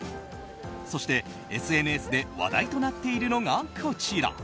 そして、ＳＮＳで話題となっているのがこちら。